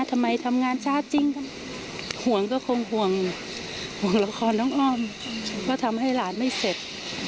ทำงานช้าจริงห่วงก็คงห่วงห่วงละครน้องอ้อมว่าทำให้หลานไม่เสร็จ